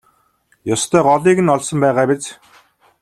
Ёстой голыг нь олсон байгаа биз?